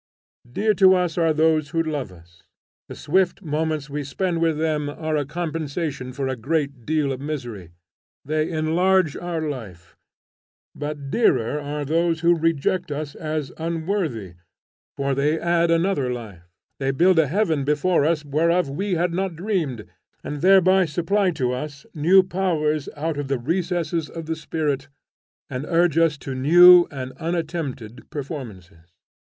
Dear to us are those who love us; the swift moments we spend with them are a compensation for a great deal of misery; they enlarge our life; but dearer are those who reject us as unworthy, for they add another life: they build a heaven before us whereof we had not dreamed, and thereby supply to us new powers out of the recesses of the spirit, and urge us to new and unattempted performances.